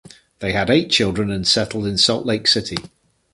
They had eight children and settled in Salt Lake City.